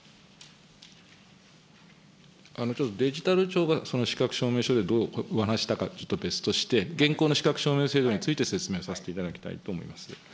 ちょっとデジタル庁がその資格証明書でどうお話ししたかは、ちょっと別として、現行の資格証明制度について説明させていただきたいと思います。